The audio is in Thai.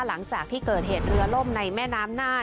หลังจากที่เกิดเหตุเรือล่มในแม่น้ำน่าน